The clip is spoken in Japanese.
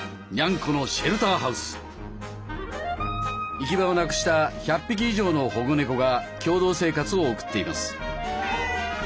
行き場をなくした１００匹以上の保護猫が共同生活を送っています。